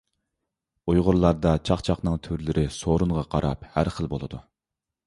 ئۇيغۇرلاردا چاقچاقنىڭ تۈرلىرى سورۇنغا قاراپ ھەر خىل بولىدۇ.